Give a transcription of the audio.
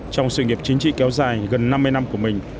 trong sự nghiệp chính trị kéo dài gần năm mươi năm của mình